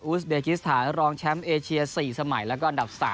สเดกิสถานรองแชมป์เอเชีย๔สมัยแล้วก็อันดับ๓